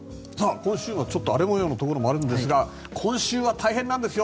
今週末ちょっと荒れ模様のところもあるんですが今週は大変なんですよ。